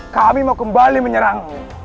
kami mau kembali menyerangmu